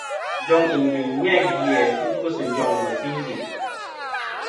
Njoŋ ìngviyn ni-a gvi fu kɨ sɨ njoŋ mɨ̀singe.